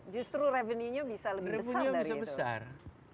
justru revenue nya bisa lebih besar dari itu